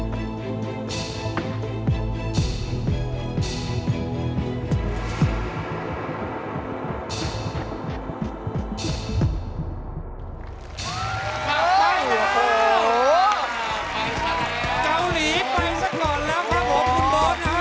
เกาหลีไปซะก่อนแล้วครับคุณโบ๊ทนะครับ